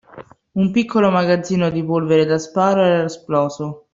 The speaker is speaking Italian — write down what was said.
Un piccolo magazzino di polvere da sparo era esploso